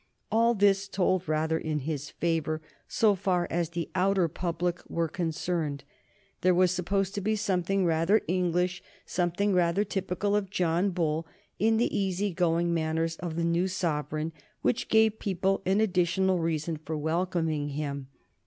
All this told rather in his favor, so far as the outer public were concerned. There was supposed to be something rather English, something rather typical of John Bull in the easy going manners of the new sovereign, which gave people an additional reason for welcoming him.